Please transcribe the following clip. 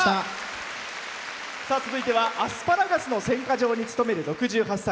続いてはアスパラガスの選果場に勤める６８歳。